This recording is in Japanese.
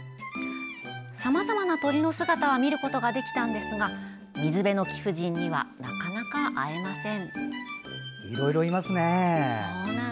さまざまな鳥の姿は見ることができたのですが水辺の貴婦人にはなかなか会えません。